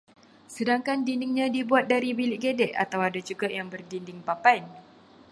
Sedangkan dindingnya dibuat dari bilik gedek atau ada juga yang berdinding papan